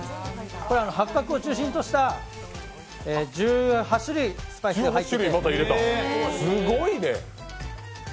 これは八角を中心とした１８種類のスパイスが入ってます。